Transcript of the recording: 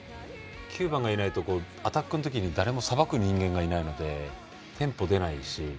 ９番がいないとアタックの時に誰もさばく人間がいないのでテンポが出ないし。